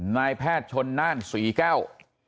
นายแพทย์ชนน่านศรีแก้ว